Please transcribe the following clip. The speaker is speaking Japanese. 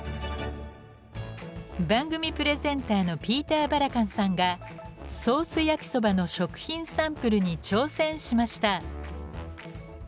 番組プレゼンターのピーター・バラカンさんがソース焼きそばの食品サンプルに挑戦しました。